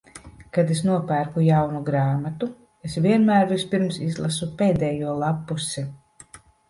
Kad es nopērku jaunu grāmatu, es vienmēr vispirms izlasu pēdējo lappusi.